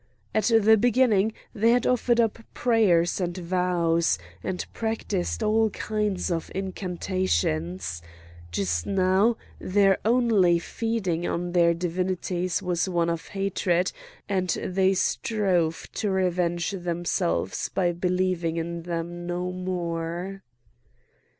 At the beginning they had offered up prayers and vows, and practised all kinds of incantations. Just now their only feeling to their divinities was one of hatred, and they strove to revenge themselves by believing in them no more.